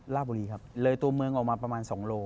ลาบบุรีครับเลยตัวเมืองออกมาประมาณ๒โล